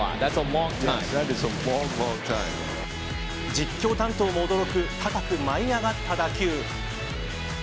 実況担当も驚く高く舞い上がった打球。